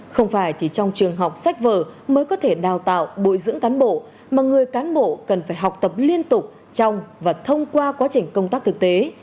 không phải chỉ trong trường học sách vở mới có thể đào tạo bồi dưỡng cán bộ mà người cán bộ cần phải học tập liên tục trong và thông qua quá trình công tác thực tế